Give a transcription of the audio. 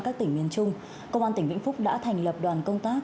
các tỉnh miền trung công an tỉnh vĩnh phúc đã thành lập đoàn công tác